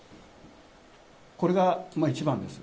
これが一番です。